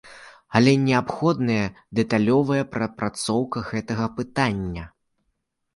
Але неабходная дэталёвая прапрацоўка гэтага пытання.